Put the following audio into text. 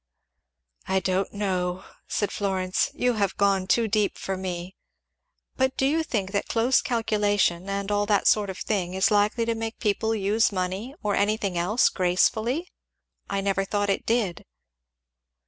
"I don't know," said Florence; "you have gone too deep for me. But do you think that close calculation, and all that sort of thing, is likely to make people use money, or anything else, gracefully? I never thought it did."